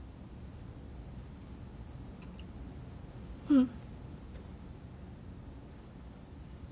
うん。